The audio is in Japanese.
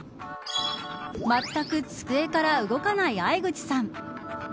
まったく机から動かない藍口さん。